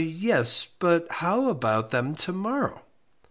"Yes; but how about them to morrow?"